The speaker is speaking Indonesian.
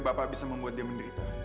bapak bisa membuat dia menderita